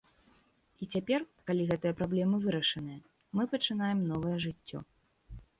І цяпер, калі гэтыя праблемы вырашаныя, мы пачынаем новае жыццё.